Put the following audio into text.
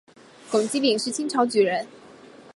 龚积柄是清朝举人。